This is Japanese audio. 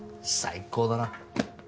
最高だな。